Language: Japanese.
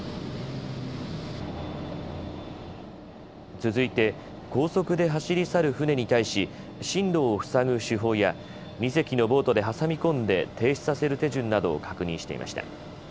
続いて、高速で走り去る船に対し進路を塞ぐ手法や２隻のボートで挟み込んで停止させる手順などを確認していました。